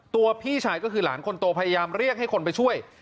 พี่ชายก็คือหลานคนโตพยายามเรียกให้คนไปช่วย